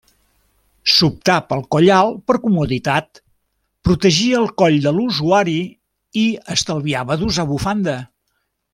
S'optà pel coll alt per comoditat: protegia el coll de l'usuari i estalviava d'usar bufanda.